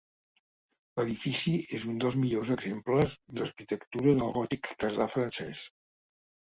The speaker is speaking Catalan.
L'edifici és un dels millors exemples d'arquitectura del gòtic tardà francès.